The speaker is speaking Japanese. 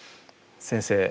先生。